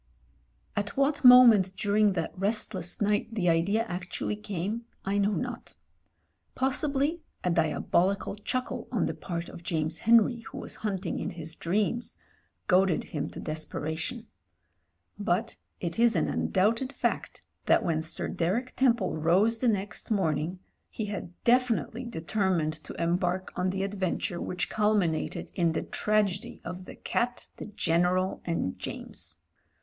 ••••• At what moment during that restless night the idea actually came I know not. Possibly a diabolical chuckle on the part of James Henry, who was hunting in his dreams, goaded him to desperation. But it is an tm doubted fact that when Sir Derek Temple rose the next morning he had definitely determined to embark on the adventure which culminated in the tragedy of the cat, the General, and James.